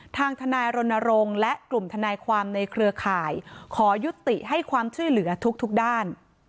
ทางทนายรณรงค์และกลุ่มทนายความในเครือข่ายขอยุติให้ความช่วยเหลือทุกด้าน